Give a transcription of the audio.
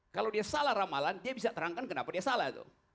kalau dia salah ramalan dia bisa terangkan kenapa dia salah